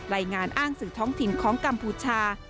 รายงานอ้างสื่อท้องถิ่นของกัมพูชา